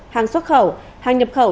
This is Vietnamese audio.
hàng xuất khẩu hàng nhập khẩu